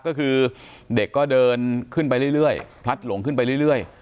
ก็คือเด็กก็เดินขึ้นไปเรื่อยเรื่อยพัดหลงขึ้นไปเรื่อยเรื่อย